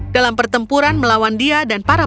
dalam pertempuran melawan dia dan para